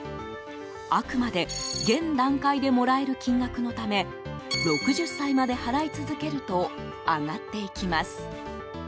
あくまで現段階でもらえる金額のため６０歳まで払い続けると上がっていきます。